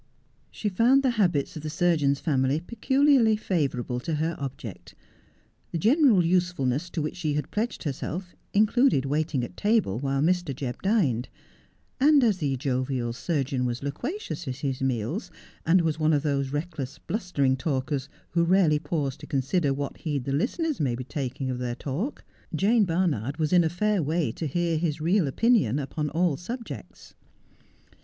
She found the habits of the surgeon's family peculiarly favourable to her object. The general usefulness to which she had pledged herself included waiting at table while Mr. Jebb dined ; and as the jovial surgeon was loquacious at his meals, and was one of those reckless, blustering talkers who rarely pause to consider what heed the listeners may be taking of their talk, Jane Barnard was in a fair way to hear his real opinions upon all subjects.